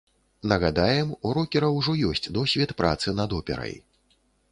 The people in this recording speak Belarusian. Нагадаем, у рокера ўжо ёсць досвед працы над операй.